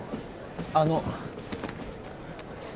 あの。